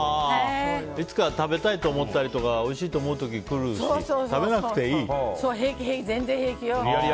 いつか食べたいと思ったりおいしいと思う時が来るし平気、全然平気よ。